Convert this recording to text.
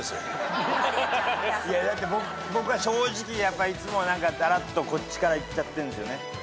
だって僕は正直いつもだらっとこっちからいっちゃってんですよね。